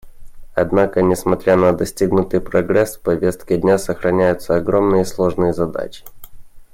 Однако, несмотря на достигнутый прогресс, в повестке дня сохраняются огромные и сложные задачи.